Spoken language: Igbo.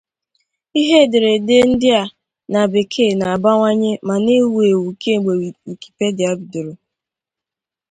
Ihe ederede ndi a dị na bekee na-abawanye ma na ewu ewu kemgbe Wikipedia bidoro.